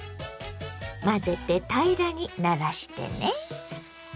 混ぜて平らにならしてね。